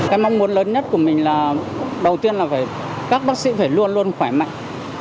cái mong muốn lớn nhất của mình là đầu tiên là các bác sĩ phải luôn luôn khỏe mạnh